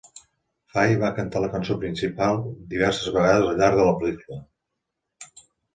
Fay va cantar la cançó principal diverses vegades al llarg de la pel·lícula.